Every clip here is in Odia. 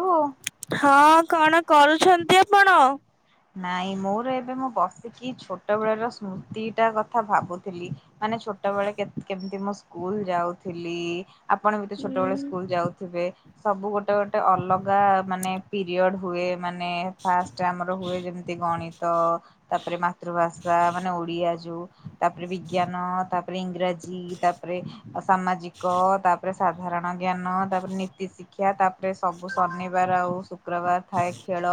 ଓ ହଁ, କଣ କରୁଛନ୍ତି ଆପଣ ନାଇଁ, ମୋର ଏବେ, ମୁଁ ବସିକି ଛୋଟ ବେଳ ର ସ୍ମୃତି ଟା କଥା ଭାବୁଥିଲି, ମାନେ, ଛୋଟବେଳେ କେମିତି କେମିତି ମୁଁ ସ୍କୁଲ ଯାଉଥିଲି। ଆପଣ ବି ତ ଛୋଟବେେଳେ ହୁଁ। ସ୍କୁଲ ଯାଉଥିବେ? ସବୁ ଗୋଟେ ଗୋଟେ ଅଲଗା, ମାନେ, ପିରିୟଡ ହୁଏ। ମାନେ, ଫାଷ୍ଟ ଆମର ହୁଏ, ଯେମିତି ଗଣିତ, ତାପରେ ମାତୃଭାଷା, ମାନେ ଓଡିଆ ବାଜୁ ତାପରେ ବିଜ୍ଞାନ, ତାପରେ ତାପରେ ଇଂରାଜୀ, ତାପରେ ସାମାଜିକ ତାପରେ ସାଧାରଣ ଜ୍ଞାନ, ତାପରେ ନୀତି ଶିକ୍ଷା, ତାପରେ ସବୁ ଶନିବାର ଆଉ ଶୁକ୍ରବାର ଥାଏ ଖେଳ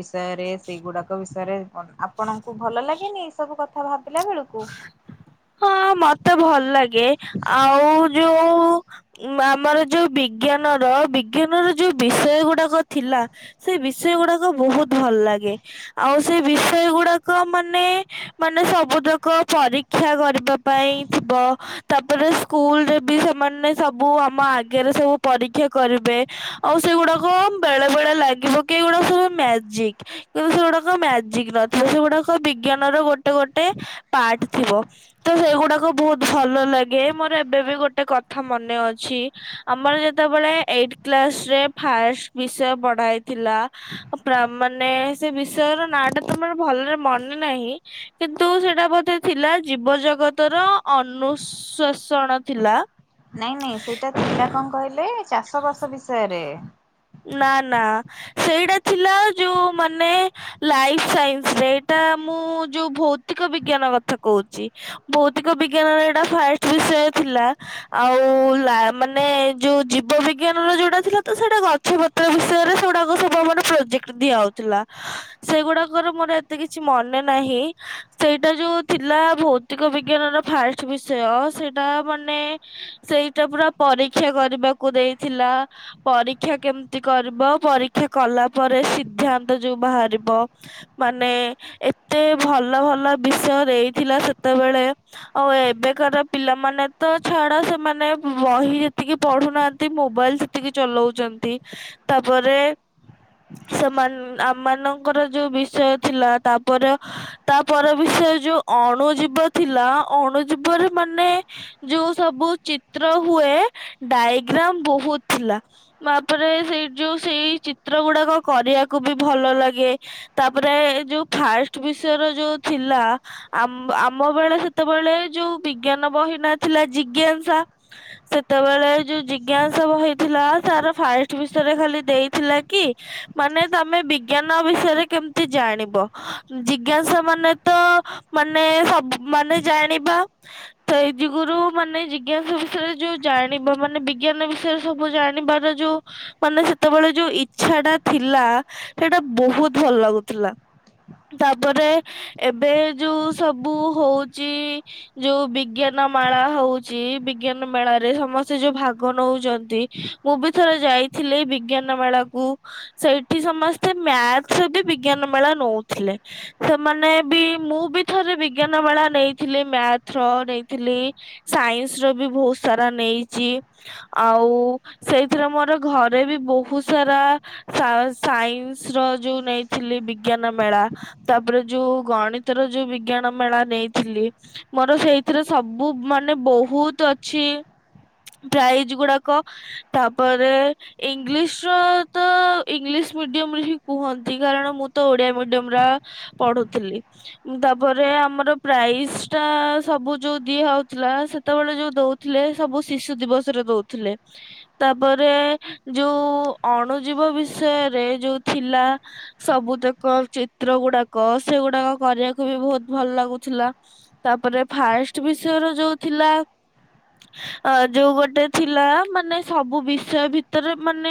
ବିଷୟରେ ରେ, ସେଇଗୁଡାକ ବିଷୟରେ ଆପଣଙ୍କୁ ଭଲ ଲାଗେନି? ଏଇ ସବୁ କଥା ଭାବିଲା ବେଳକୁ। ହଁ, ମତେ ଭଲ ଲାଗେ, ଆଉ ଯୋଉ ଆମର ଯୋଉ ବିଜ୍ଞାନର, ବିଜ୍ଞାନର ଯୋଉ ବିଷୟ ଗୁଡାକ ଥିଲା, ସେ ବିଷୟ ଗୁଡାକ ବହୁତ ଭଲ ଲାଗେ। ଆଉ, ସେ ବିଷୟ ଗୁଡାକ, ମାନେ, ମାନେ, ସବୁତକ ପରୀ ଠିଆ କରି ତା, ପାଇଁ ଥିବ। ତାପରେ, ସ୍କୁଲ ରେ ବି ସେମାନେ ସବୁ ଆମ ଆଗରେ ସବୁ ପରୀକ୍ଷା କରିବେ, ଆଉ ସେଗୁଡ଼ାକ ବେଳେ ବେଳେ ଲାଗିବ କି, ଏଗୁଡ଼ାକ ସବୁ ମ୍ୟାଜିକ୍। କିନ୍ତୁ ସେଗୁଡ଼ାକ ମ୍ୟାଜିକ୍ ନଥିବ, ସେଗୁଡ଼ାକ ବିଜ୍ଞାନର ଗୋଟେ ଗୋଟେ ପାର୍ଟ ଥିବ। ତ, ହେଇଗୁଡାକ ବହୁତ ଭଲ ଲାଗେ ମୋର। ଏବେ ବି ଗୋଟେ କଥା ମନେ ଅଛି। ଆମର ଯେତେବେଳେ ଏଇଟ କ୍ଲାସରେ ଫାଷ୍ଟ ବିଷୟ ପଢ଼ାଇଥିଲା, ମାନେ, ସେ ବିଷୟର ନାଁ ଟା ତମର ଭଲରେ ମନେ ନାହିଁ, କିନ୍ତୁ ସେଟା ବୋଧେ ଥିଲା ଜୀବ ଜଗତ ର ଅନୁସ୍ୱଶୋଣ ଥିଲା। ନାଇଁ, ନାଇଁ, ସେଇଟା ଥିଲା କଣ କହିଲେ? ଚାଷବାସ ବିଷୟରେ ନା, ନା, ସେଇଟା ଥିଲା ଯୋଉ, ମାନେ, ଲାଇଫ ସାଇନ୍ସରେ। ଏଇଟା ମୁଁ ଯୋଉ ଭୌତିକ ବିଜ୍ଞାନ କଥା କହୁଛି, ଭୌତିକ ବିଜ୍ଞାନର ଏଇଟା ଫାଷ୍ଟ ବିଷୟ ଥିଲା। ଆଉ, ମାନେ, ଯୋଉ ଜୀବ ବିଜ୍ଞାନର ଯୋଉଟା ଥିଲା, ତ ସେଇଟା ଗ ପତ୍ର ବିଷୟରେ ସେଗୁଡ଼ାକ ସବୁ ମେ ପ୍ରୋଜେକ୍ଟ ଦିଆ ହଉଥିଲା, ସେଗୁଡାକର ମୋର ଏତେ କିଛି ମନେ ନାହିଁ। ସେଇଟା ଯୋଉ ଥିଲା ଭୌତିକ ବିଜ୍ଞାନର ଫାଷ୍ଟ ବିଷୟ, ସେଇଟା ମାନେ ସେଇଟା ପୁରା ପରୀକ୍ଷା କରିବାକୁ ଦେଇଥିଲା ପରି ପରୀକ୍ଷା କେମିତି କରିବ, ପରୀକ୍ଷା କଲା ପରେ ସିଦ୍ଧାନ୍ତ ଯଉ ବାହାରିବ, ମାନେ ଏତେ ଭଲ ଭଲ ବିଷୟ ଦେଇଥିଲା ସେତେବେଳେ। ଆଉ ଏବେକାର ପିଲାମାନେ ତ ଛାଡ଼, ସେମାନେ ବହି ଯେତିକି ପଢ଼ୁନାହାନ୍ତି, ମୋବାଇଲ ସେତିକି ଚଲଉ ଚନ୍ତି, ତାପରେ ସେମାନ ଆମ ମାନଙ୍କର ଯୋଉ ବିଷୟ ଥିଲା, ତାପରେ ତା ପର ବିଷୟ ଯୋଉ ଅଣୁଜୀବ ଥିଲା, ଅଣୁ ଜୀବରେ ମାନେ ଯୋଉ ସବୁ ଚିତ୍ର ହୁଏ, ଡାଇଗ୍ରାମ ବହୁତ ଥିଲା। ମାପରେ ସେଇ ଯୋଉ ସେଇ ଚିତ୍ର ଗୁଡାକ କରିଆକୁ ବି ଭଲ ଲାଗେ ତାପରେ ଯୋଉ ଫାଷ୍ଟ ବିଷୟର ଯୋଉ ଥିଲା ଆମ ଆମ ବେଳେ ସେତେବେଳେ ଯୋଉ ବିଜ୍ଞାନ ବହି ନ ଥିଲା ଜିଜ୍ଞାସା ସେତେବେଳେ ଯୋଉ ଜିଜ୍ଞାସା ବହି ଥିଲା ସାର ଫାଇଷ୍ଟ ବିଷୟରେ ଖାଲି ଦେଇଥିଲା କି ମାନେ ତମେ ବିଜ୍ଞାନ ବିଷୟରେ କେମିତି ଜାଣିବ ଜିଜ୍ଞାସା ମାନେ ତ ମାନେ ସବୁ ମାନେ ଜାଣିବା ସେଇ ଯୋଗୁରୁ ମାନେ ଜିଜ୍ଞାସା ବିଷୟରେ ଯୋଉ ଜାଣିବା ମାନେ ବିଜ୍ଞାନ ବିଷୟରେ ସବୁ ଜାଣିବାର ଯୋଉ ମାନେ ସେତେବେଳେ ଯୋଉ ଇଚ୍ଛା ଟା ଥିଲା ସେଟା ବହୁତ ଭଲ ଲାଗୁଥିଲା ତାପରେ ଏବେ ଯୋଉ ସବୁ ହଉଛି ଯୋଉ ବିଜ୍ଞାନ ମାଳା ହଉଛି ବିଜ୍ଞାନ ମେଳାରେ ସମସ୍ତେ ଯୋଉ ଭାଗ ନଉଛନ୍ତି ମୁଁ ବି ଥରେ ଯାଇଥିଲି ବିଜ୍ଞାନ ମେଳା କୁ ସେଇଠି ସମସ୍ତେ ମ୍ୟାଥ ର ବି ବିଜ୍ଞାନ ମେଳା ନଉଥିଲେ ସେମାନେ ବି ମୁଁ ବି ଥରେ ବିଜ୍ଞାନ ମେଳା ନେଇଥିଲି ମ୍ୟାଥ ର ନେଇଥିଲି ସାଇନ୍ସର ବି ବହୁତ୍ ସାରା ନେଇଚି ଆଉ ସେଇ ସେଥିରେ ମୋର ଘରେ ବି ବହୁତ୍ ସାରା ସା ସାଇନ୍ସ ର ଯୋଉ ନେଇଥିଲି ବିଜ୍ଞାନ ମେଳା ତାପରେ ଯୋଉ ଗଣିତର ଯୋଉ ବିଜ୍ଞାନ ମେଳା ନେଇଥିଲି ମୋର ସେଇଥିରେ ସବୁ ମାନେ ବହୁତ ଅଛି ପ୍ରାଇଜ ଗୁଡାକ ତାପରେ ଇଂଲିଶ ର ତ ଇଂଲିଶ ମିଡିୟମରେ ହିଁ କୁହନ୍ତି କାରଣ ମୁଁ ତ ଓଡିଆ ମିଡିୟମ ରେ ପଢୁଥିଲି ତାପରେ ଆମର ପ୍ରାଇଜ ଟା ସବୁ ଯୋଉ ଦିଆ ହଉଥିଲା ସେତେବେଳେ ଯୋଉ ଦଉଥିଲେ ସବୁ ଶିଶୁ ଦିବସ ରେ ଦଉଥିଲେ। ତାପରେ ଯୋଉ ଅଣୁଜୀବ ବିଷୟରେ ଯୋଉ ଥିଲା ସବୁତକ ଚିତ୍ର ଗୁଡାକ ସେଗୁଡାକ କରିଆକୁ ବି ବହୁତ ଭଲ ଲାଗୁଥିଲା ତାପରେ ଫାଷ୍ଟ ବିଷୟ ର ଯୋଉ ଥିଲା ଯୋଉ ଗୋଟେ ଥିଲା ମାନେ ସବୁ ବିଷୟ ଭିତରେ ମାନ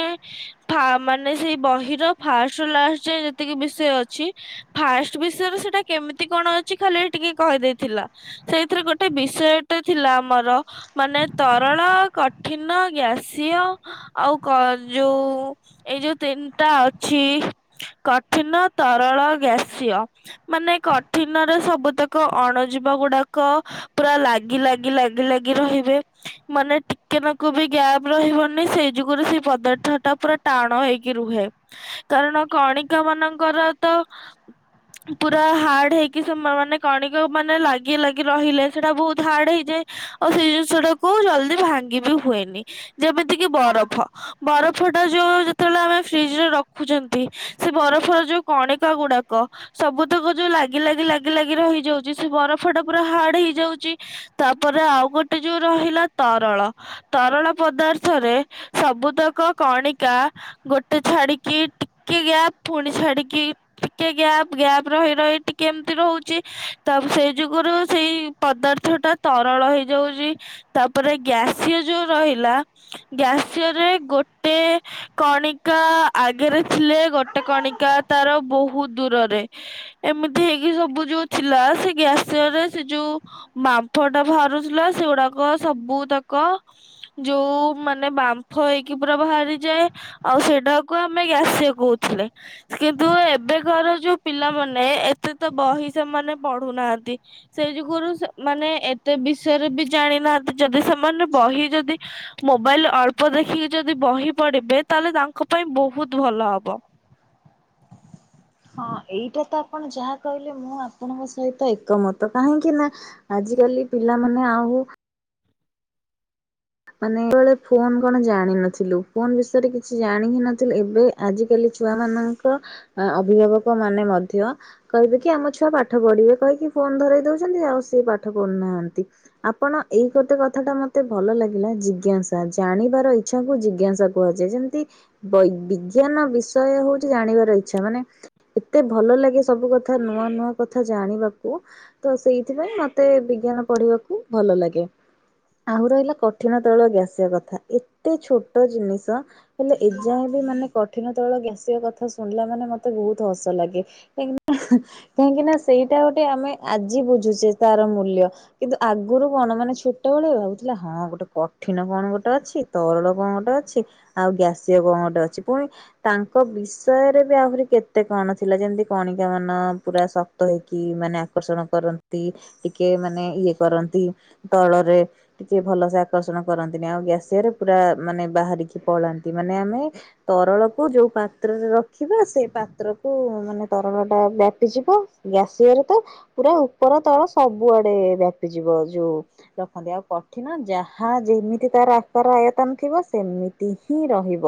ଫା ମାନେ ସେଇ ବହିର ଫାଷ୍ଟ ରୁ ଲାଷ୍ଟ ଯାଏ ଯେତିକି ବିଷୟ ଅଛି ଫାଷ୍ଟ ବିଷୟରେ ସେଇଟା କେମିତି କଣ ଅଛି ଖାଲି ଟିକେ କହିଦେଇଥିଲା ସେଇଥିରେ ଗୋଟେ ବିଷୟଟା ଥିଲା ଆମର ମାନେ ତରଳ କଠିନ ଗ୍ୟାସ। ସିଏ ଆଉ ଆଉ କ ଯୋଉ ଏଇ ଯୋଉ ତିନିଟା ଅଛି କଠିନ ତରଳ ଗ୍ୟାସିୟ ମାନେ କଠିନରେ ସବୁତକ ଅଣୁ ଜୀବ ଗୁଡାକ ପୁରା ଲାଗି ଲାଗି ଲାଗି ଲାଗି ରହିବେ ମାନେ ଟିକେନାକୁ ବି ଗ୍ୟାପ ରହିବନି ସେଇ ଯୋଗୁରୁ ସେ ପଦାର୍ଥ ଟା ପୁରା ଟାଣ ହେଇକି ରୁହେ କାରଣ କଣିକା ମାନଙ୍କର ତ ପୁରା ହାଡ଼ ହେଇକି ସେ ମାନେ କଣିକା ମାନେ ଲାଗି ଲାଗି ରହିଲେ ସେଇଟା ବହୁତ ହାର୍ଡ ହେଇଯାଏ ଆଉ ସେଇ ଜିନିଷ ଟାକୁ ଜଲଦି ଭାଙ୍ଗି ବିି ହୁଏନି। ଯେମିତିକି ବରଫ ବରଫଟା ଯୋଉ ଯେତେବେଳେ ଆମେ ଫ୍ରିଜରେ ରଖୁଛନ୍ତି ସେ ବରଫର ଯୋଉ କଣିକା ଗୁଡାକ ସବୁତକ ଯୋଉ ଲାଗି ଲାଗି ଲାଗି ଲାଗି ରହିଯାଉଛି ସେ ବରଫ ଟା ପୁରା ହାର୍ଡ ହେଇଯାଉଛି ତାପରେ ଆଉ ଗୋଟେ ଯୋଉ ରହିଲା ତରଳ ତରଳ ପଦାର୍ଥରେ ସବୁତକ କଣିକା ଗୋଟେ ଛାଡିକି ଟିକେ ଗ୍ୟାପ୍ ପୁଣି ଛାଡିକି ଟିକେ ଗ୍ୟାପ୍ ଗ୍ୟାପ ରହି ରହି ଟିକେ ଏମତି ରହୁଛି ତା ସେଇ ଯୋଗୁରୁ ସେଇ ପଦାର୍ଥ ଟା ତରଳ ହେଇଯାଉଛି ତାପରେ ଗ୍ୟାସିୟ ଯୋଉ ରହି ହେଲା ଗ୍ୟାସିୟରେ ଗୋଟେ କଣିକା ଆଗେରେ ଥିଲେ ଗୋଟେ କଣିକା ତାର ବହୁତ୍ ଦୂରରେ ଏମିତି ହେଇକି ସବୁ ଯୋଉ ଥିଲା ସେ ଗ୍ୟାସିୟର ରେ ସେ ଯୋଉ ବାମ୍ଫ ଟା ବାହାରୁଥିଲା ସେଗୁଡାକ ସବୁ ତକ ଯୋଉ ମାନେ ବାମ୍ଫ ହେଇକି ପୁରା ବାହାରିଯାଏ ଆଉ ସେଇଟାକୁ ଆମେ ଗ୍ୟାସିୟ କହୁଥିଲେ କିନ୍ତୁ ଏବେ କାର ଯୋଉ ପିଲାମାନେ ଏତେ ତ ବହି ସେମାନେ ପଢୁନାହାନ୍ତି ସେ ଯୋଗୁରୁ ସେ ମାନେ ଏତେ ବିଷୟରେ ବି ଜାଣି ନାହାନ୍ତି ଯଦି ସେମାନେ ବହି ଯଦି ମୋବାଇଲ ଅଳ୍ପ ଦେଖିକି ଯଦି ବହି ପଢିବେ ତାହେଲେ ତାଙ୍କ ପାଇଁ ବହୁତ୍ ଭଲ ହବ। ହଁ ଏଇଟା ତ ଆପଣ ଯାହା କହିଲେ ମୁଁ ଆପଣଙ୍କ ସହିତ ଏକମତ କାହିଁକି ନା ଆଜି କାଲି ପିଲାମାନେ ଆଉ ମାନେ ସେତେବେଳେ ଫୋନ କଣ ଜାଣିନଥିଲୁ ଫୋନ ବିଷୟରେ କିଛି ଜାଣି ହିଁ ନଥିଲୁ ଏବେ ଆଜିକାଲି ଛୁଆ ମାନଙ୍କ ଏ ଅଭିଭାବକ ମାନେ ମଧ୍ୟ କହିବେ କି ଆମ ଛୁଆ ପାଠ ପଢିବେ କହିକି ଫୋନ ଧରାଇ ଦଉଛନ୍ତି ଆଉ ସିଏ ପାଠ ପଢୁନାହାନ୍ତି ଆପଣ ଏଇ ଗୋଟେ କଥାଟା ମତେ ଭଲ ଲାଗ। ହେଲା ଜିଜ୍ଞାସା ଜାଣିବାର ଇଚ୍ଛା କୁ ଜିଜ୍ଞାସା କୁହାଯାଏ ଯେମିତି ବୈ ବିଜ୍ଞାନ ବିଷୟ ହେଉଛି ଜାଣିବାର ଇଛା ମାନେ ଏତେ ଭଲ ଲାଗେ ସବୁ କଥା ନୂଆ ନୂଆ କଥା ଜାଣିବାକୁ ତ ସେଇଥିପାଇଁ ମତେ ବିଜ୍ଞାନ ପଢିବାକୁ ଭଲ ଲାଗେ ଆହୁ ରହିଲା କ କଠିନ ତୈଳ ଗ୍ୟାସିୟ କଥା ଏତେ ଛୋଟ ଜିନିଷ ହେଲେ ଏଯାଏ ବି ମାନେ କଠିନ ତୈଳ ଗ୍ୟାସିୟ କଥା ଶୁଣିଲା ମାନେ ମତେ ବହୁତ ହସ ଲାଗେ କାହିଁକି ନା କାହିଁକି ନା ସେଇଟା ଗୋଟେ ଆମେ ଆଜି ବୁଝୁଛେ ତାର ମୂଲ୍ୟ କିନ୍ତୁ ଆଗରୁ କଣ ମାନେ ଛୋଟବେେଳେ ଭାବୁଥିଲା ହଁ ଗୋଟେ କଠିନ କଣ ଗୋଟେ ଅଛି ତରଳ କଣ ଗୋଟେ ଅଛି ଆଉ ଗ୍ୟାସିୟ କଣ ଗୋଟେ ଅଛି ପୁଣି ତାଙ୍କ ବିଷୟରେ ବି ଆହୁରି କେତେ କଣ ଥିଲା ଯେମତି କଣିକା ମାନ ପୁରା ଶକ୍ତ ହେଇକି ମାନେ ଆକର୍ଷଣ କରନ୍ତି ଟିକେ ମାନେ ଇଏ କରନ୍ତି ତଳରେ ଟିକେ ଭଲସେ ଆକ୍ ଆକର୍ଷଣ କରନ୍ତିନି ଆଉ ଗ୍ୟାସିୟରେ ପୁରା ମାନେ ବାହାରିକି ପଳାନ୍ତି ମାନେ ଆମେ ତରଳକୁ ଯୋଉ ପାତ୍ରରେ ରଖିବା ସେ ପାତ୍ରକୁ ମାନେ ତରଳ ଟା ବ୍ୟାପିଯିବ ଗ୍ୟାସିୟ ରେ ତ ପୁରା ଉପର ତଳ ସବୁଆଡେ ବ୍ୟାପିଯିବ ଯୋଉ ରଖନ୍ତି ଆଉ କଠିନ ଯାହା ହଁ ଯେମିତି ତାର ଆକାର ଆୟତନ ଥିବ ସେମିତି ହିଁ ରହିବ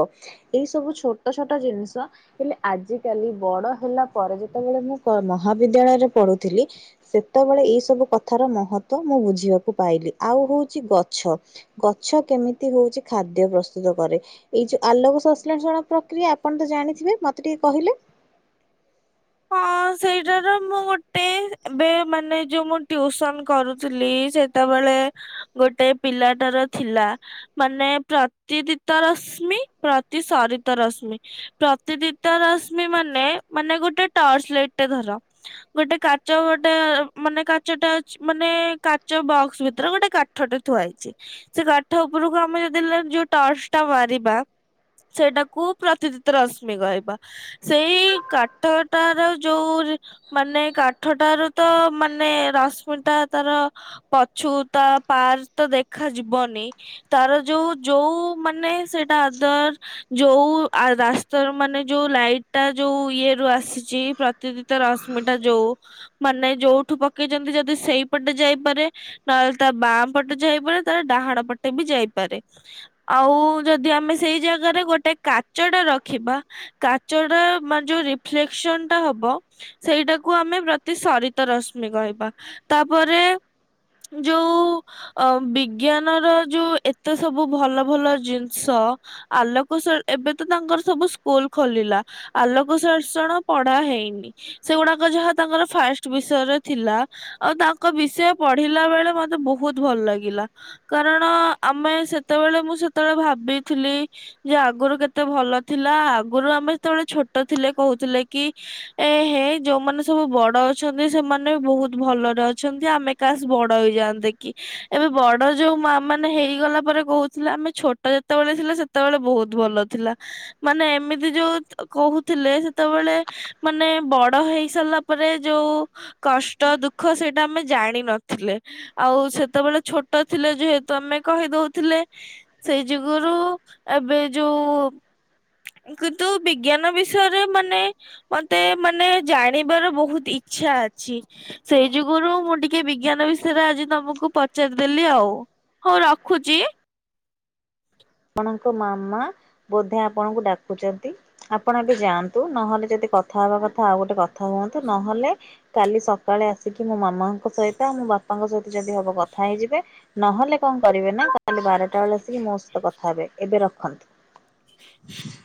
ଏଇ ସବୁ ଛୋଟ ଛୋଟ ଜିନିଷ ହେଲେ ଆଜିକାଲି ବଡ ହେଲା ପରେ ଯେତେବେଳେ ମୁଁ ପ ମହାବିଦ୍ୟାଳୟରେ ପଢୁଥିଲି ସେତେବେଳେ ଏଇ ସବୁ କଥାର ମହତ୍ୱ ମୁଁ ବୁଝିବାକୁ ପାଇଲି ଆଉ ହଉଛି ଗ ଛ ଗଛ କେମିତି ହେଉଛି ଖାଦ୍ୟ ପ୍ରସ୍ତୁତ କରେ ଏଇ ଯୋଉ ଆଲୋକ ସଂଶ୍ଲେଷଣ ପ୍ରକ୍ରିୟା ଆପଣ ତ ଜାଣିଥିବେ ମତେ ଟିକେ କହିଲେ? ହଁ ସେଇଟାର ମୁଁ ଗୋଟେ ଏବେ ମାନେ ଯୋଉ ମୁଁ ଟ୍ୟୁସନ କରୁଥିଲି ସେତେବେଳେ ଗୋଟେ ପିଲାଟାର ଥିଲା ମାନେ ପ୍ରତିଦିତ ରଶ୍ମି ପ୍ରତି ସରିତ ରଶ୍ମି ପ୍ରତିଦିତ ରଶ୍ମି ମାନେ ମାନେ ଗୋଟେ ଟର୍ଚ ଲାଇଟେ ଧର ଗୋଟେ କାଚ ଗୋଟେ ମାନେ କାଚଟା ଅ ମାନେ କାଚ ବକ୍ସ ଭିତରେ ଗୋଟେ କାଠଟେ ଥୁଆଇଛି ସେ କାଠ ଉପରକୁ ଆମେ ଯଦ ଯୋଉ ଟର୍ଚ ଟା ମାରିବା ସେଇଟାକୁ ପ୍ରତିଦିତ ରଶ୍ମି କହିବା ସେଇ କାଠ ତାର ଯୋଉ ମାନେ କାଠଟାରୁ ତ ମାନେ ରଶ୍ମିଟା ତାର ପଛୁ ତା ପାର୍କ ତ ଦେଖା ଯିବନି ତାର ଯୋଉ ଯୋଉ ମାନେ ସେଇଟା ଅଦର ଯୋଉ ରାସ୍ତା ର ମାନେ ଯୋଉ ଲାଇଟ୍ ଟା ଯୋଉ ଇଏ ରୁ ଆସି ପ୍ରତିଦିତ ରଶ୍ମିଟା ଯୋଉ ମାନେ ଯୋଉଠୁ ପକେଇଛନ୍ତି ଯଦି ସେଇପଟେ ଯାଇପାରେ ନହେଲେ ତା ବାଁ ପଟେ ଯାଇପାରେ ତାର ଡାହାଣ ପଟେ ବି ଯାଇପାରେ ଆଉ ଯଦି ଆମେ ସେଇ ଜାଗାରେ ଗୋଟେ କାଚ ଟା ରଖିବା କାଚଟା ମାନେ ଯୋଉ ରିଫ୍ଲେକ୍ଟ୍ ଶୂନ୍ ଟା ହବ ସେଇଟାକୁ ଆମେ ପ୍ରତି ସରିତ ରଶ୍ମି କହିବା ତାପରେ ଯୋଉ ବିଜ୍ଞାନର ଯୋଉ ଏତେ ସବୁ ଭଲ ଭଲ ଜିନ୍ଷ ଆଲୋକ ଏବେ ତ ତାଙ୍କର ସବୁ ସ୍କୁଲ ଖୋଲିଲା ଆଲୋକ ଶାର୍ଷଣ ପଢା ହେଇନି ସେଗୁଡାକ ଯାହା ତାଙ୍କର ଫାଷ୍ଟ୍ ବିଷୟରେ ଥିଲା ଆଉ ତାଙ୍କ ବିଷୟ ପଢିଲା ବେଳେ ମତେ ବହୁତ ଭଲ ଲାଗିଲା କାରଣ ଆମେ ସେତେବେଳେ ମୁଁ ସେତେବେଳେ ଭାବିଥିଲି ଯେ ଆଗୁରୁ କେତେ ଭଲ ଥିଲା ଆଗୁରୁ ଆମେ ସେତେବେଳେ ଛୋଟ ଥିଲେ କହୁଥିଲେ କି ଏ ହେ ଯୋଉମାନେ ସବୁ ବଡ଼ ଅଛନ୍ତି ସେମାନେ ବହୁତ୍ ଭଲରେ ଅଛନ୍ତି ଆମେ କାସ୍ ବଡ ହେଇଯାଆନ୍ତେ କି ଏବେ ବଡ ଯୋଉ ମା ମାନେ ହେଇଗଲା ପରେ କହୁଥିଲେ ଆମେ ଛୋଟ ଯେତେବେଳେ ଥିଲେ ସେତେବେଳେ ବହୁତ ଭଲ ଥିଲା ମାନେ ଏମିତି ଯୋଉ କହୁଥିଲେ ସେତେବେଳେ ମାନେ ବଡ ହେଇ ସାରିଲା ପରେ ଯୋଉ କଷ୍ଟ ଦୁଃଖ ସେଇଟା। [inaudible] ଆମେ ଜାଣିିନଥିଲେ ଆଉ ସେତେବେଳେ ଛୋଟ ଥିଲେ ଯେହେତୁ ଆମେ କହି ଦେଉଥିଲେ ସେଇ ଯୋଗୁରୁ ଏବେ ଯୋଉ କିନ୍ତୁ ବିଜ୍ଞାନ ବିଷୟରେ ମାନେ ମତେ ମାନେ ଜାଣିବାର ବହୁତ୍ ଇଚ୍ଛା ଅଛି, ସେଇ ଯୋଗୁରୁ ମୁଁ ଟିକେ ବିଜ୍ଞାନ ବିଷୟରେ ଆଜି ତମୁକୁ ପଚାରିଦେଲି ଆଉ ହଉ ରଖୁଛି। ଆପଣଙ୍କ ମାମା ବୋଧେ ଆପଣଙ୍କୁ ଡାକୁଛନ୍ତି ଆପଣ ଏବେ ଯାଆନ୍ତୁ ନହେଲେ ଯଦି କଥା ହବା କଥା ଆଉ ଗୋଟେ କଥା କଥା ହୁଅନ୍ତୁ ନହେଲେ କାଲି ସକାଳେ ଆସିକି ମୋ ମାମାଙ୍କ ସହିତ ଆଉ ମୋ ବାପାଙ୍କ ସହିତ ଯଦି ହବ କଥା ହେଇଯିବେ ନହେଲେ କଣ କରିବେ ନା କାଲି ବାରଟା ବେଳେ ଆସିକି ମୋ କଥା ହେବେ ଏବେ ରଖନ୍ତୁ।